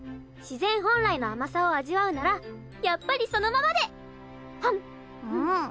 自然本来の甘さを味わうならやっぱりそのままで！